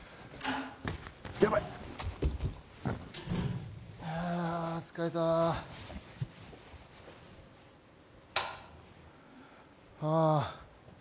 ヤバいあっ疲れたああ